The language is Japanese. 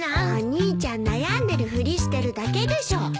お兄ちゃん悩んでるふりしてるだけでしょ。